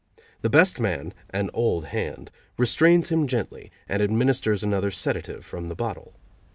The best man, an old hand, restrains him gently, and administers another sedative from the bottle.